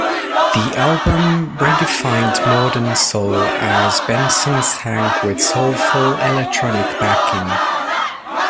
The album redefined modern soul as Benson sang with soulful electronic backing.